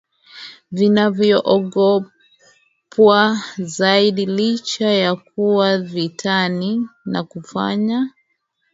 vinaogopwa zaidi Licha ya kuwa vitani na kufanya